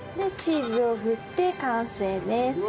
チーズを振って完成です。